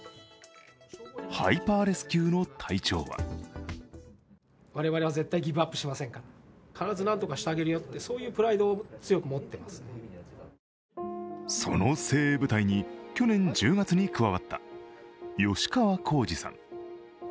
ハイパーレスキューの隊長はその精鋭部隊に去年１０月に加わった吉川光治さん。